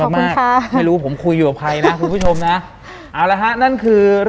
หลังจากนั้นเราไม่ได้คุยกันนะคะเดินเข้าบ้านอืม